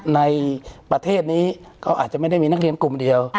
ในประเทศนี้เขาอาจจะไม่ได้มีนักเรียนกลุ่มเดียว